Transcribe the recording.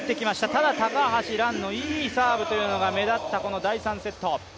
ただ高橋藍のいいサーブというのが目立ったこの第３セット。